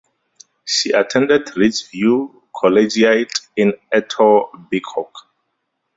She attended Richview Collegiate in Etobicoke.